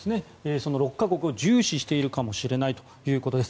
その６か国を重視しているかもしれないということです。